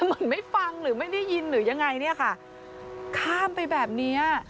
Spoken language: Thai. เหมือนไม่ฟังหรือไม่ได้ยินหรือยังไงเนี่ยค่ะข้ามไปแบบเนี้ย